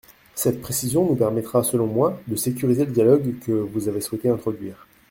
Cette précision nous permettra, selon moi, de sécuriser le dialogue que vous avez souhaité introduire.